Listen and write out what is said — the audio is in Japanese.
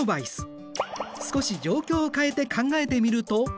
少し状況を変えて考えてみると？